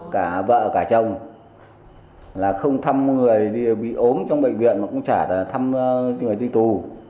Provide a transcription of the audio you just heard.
cả vợ cả chồng là không thăm người bị ốm trong bệnh viện mà cũng chả thăm người đi tù